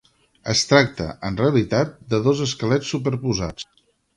Es tracta, en realitat, de dos esquelets superposats.